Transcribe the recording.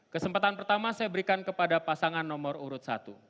kesempatan pertama saya berikan kepada pasangan nomor urut satu